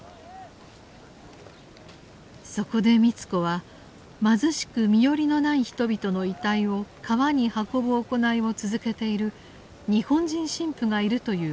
そこで美津子は貧しく身寄りのない人々の遺体を河に運ぶ行いを続けている日本人神父がいるという噂を耳にします。